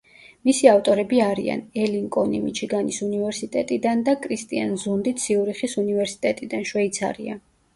მისი ავტორები არიან: ელინ კონი მიჩიგანის უნივერსიტეტიდან და კრისტიან ზუნდი ციურიხის უნივერსიტეტიდან, შვეიცარია.